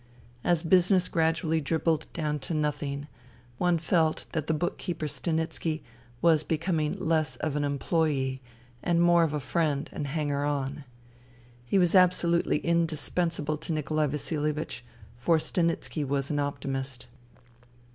As business gradually dribbled down to nothing, one felt that the book keeper Stanitski was becoming less of an employee and more of a friend and hanger on. He was absolutely in dispensable to Nikolai Vasilievich, for Stanitski was an optimist.